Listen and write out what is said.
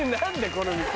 この店。